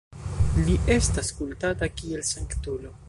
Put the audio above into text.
Li estas kultata kiel sanktulo.